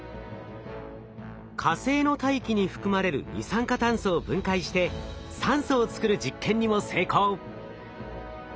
火星の大気に含まれる二酸化炭素を分解して酸素を作る実験にも成功。